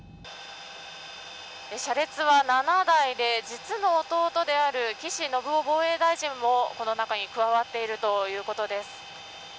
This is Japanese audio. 車列は７台で、実の弟である岸信夫防衛大臣もこの中に加わっている